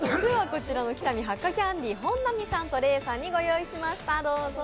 こちらの北見ハッカキャンディ、本並さんとレイさんにご用意しました。